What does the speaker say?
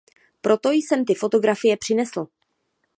Proto jsem ty fotografie přinesl.